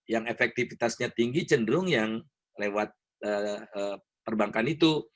yang efektivitasnya tinggi cenderung yang lewat perbankan itu